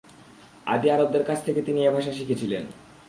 আদি আরবদের কাছ থেকে তিনি এ ভাষা শিখেছিলেন।